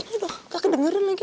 aduh gak kedengeran lagi